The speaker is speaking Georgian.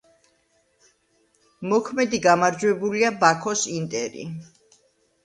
მოქმედი გამარჯვებულია ბაქოს „ინტერი“.